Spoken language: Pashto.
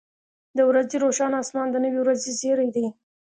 • د ورځې روښانه اسمان د نوې ورځې زیری دی.